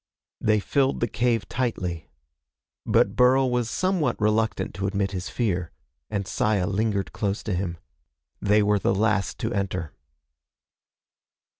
They filled the cave tightly. But Burl was somewhat reluctant to admit his fear, and Saya lingered close to him. They were the last to enter.